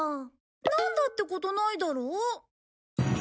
なんだってことないだろ。